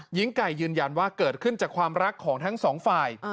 หญิงไก่ยืนยันว่าเกิดขึ้นจากความรักของทั้งสองฝ่าย